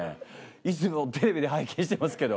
いつもテレビで拝見してますけど。